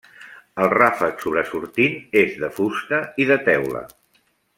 El ràfec sobresortint és de fusta i de teula.